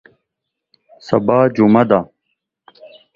سبا جمعه ده